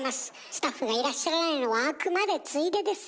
スタッフがいらっしゃらないのはあくまでついでです。